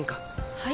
はい？